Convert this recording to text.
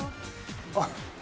あっ！